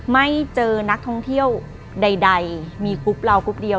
ไม่เจอนักท่องเที่ยวใดมีกรุ๊ปเรากรุ๊ปเดียว